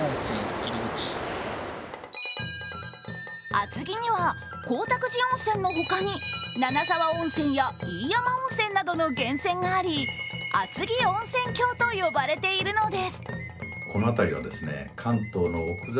厚木には、広沢寺温泉のほかに、七沢温泉や飯山温泉などの源泉があり、あつぎ温泉郷と呼ばれているのです。